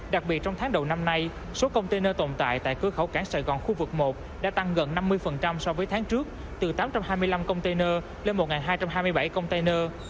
đặc biệt trong tháng đầu năm nay số container tồn tại tại cửa khẩu cảng sài gòn khu vực một đã tăng gần năm mươi so với tháng trước từ tám trăm hai mươi năm container lên một hai trăm hai mươi bảy container